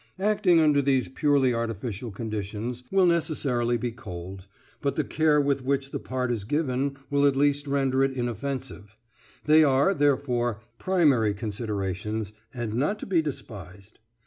Acting under these purely artificial conditions will necessarily be cold, but the care with which the part is given will at least render it inoffensive; they are, therefore, primary considerations, and not to be despised.